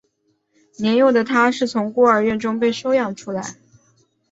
年幼的他是从孤儿院中被收养而来。